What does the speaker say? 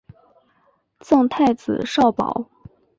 赠太子少保。